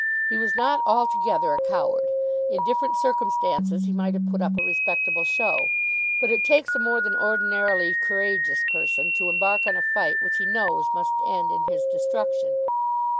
He was not altogether a coward. In different circumstances he might have put up a respectable show. But it takes a more than ordinarily courageous person to embark on a fight which he knows must end in his destruction.